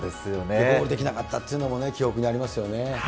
ゴールできなかったっていうのも、記憶にありますよね。